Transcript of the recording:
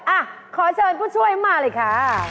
อ่ะขอเชิญผู้ช่วยมาเลยค่ะ